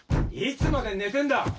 いつまで寝てんだ！